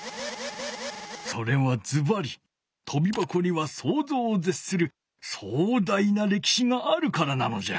それはズバリとびばこにはそうぞうをぜっするそう大なれきしがあるからなのじゃ。